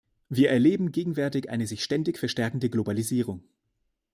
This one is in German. Wir erleben gegenwärtig eine sich ständig verstärkende Globalisierung.